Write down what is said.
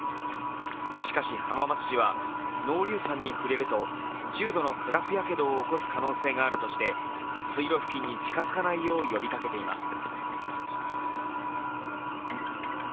しかし、浜松市は濃硫酸に触れると重度の化学やけどを起こす可能性があるとして水路付近に近づかないよう呼びかけています。